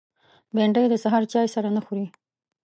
بېنډۍ د سهار چای سره نه خوري